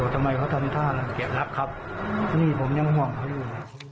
ทำไมเขาทำท่าเกลียดรับครับนี่ผมยังห่วงเขาอยู่